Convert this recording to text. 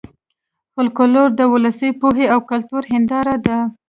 فولکلور د ولسي پوهې او کلتور هېنداره ده